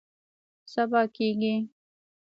سبا کیږي